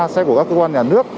ba xe của các cơ quan nhà nước